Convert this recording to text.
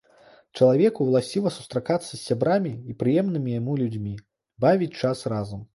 Чалавеку ўласціва сустракацца з сябрамі і прыемнымі яму людзьмі, бавіць час разам.